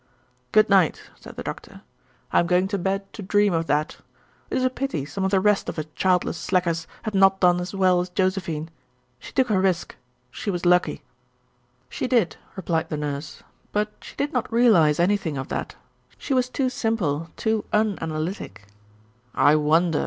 "Good night," said the Doctor. "I am going to bed to dream of that. It is a pity some of the rest of us childless slackers had not done as well as Josephine. She took her risk. She was lucky." "She did," replied the Nurse, "but she did not realize anything of that. She was too simple, too unanalytic." "I wonder?"